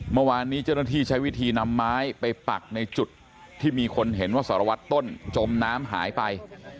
เมื่อวานนี้เจ้าหน้าที่ใช้วิธีนำไม้ไปปักในจุดที่มีคนเห็นว่าสารวัตรต้นจมน้ำหายไป